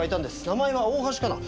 名前は大橋香菜。